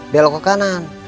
belok ke kanan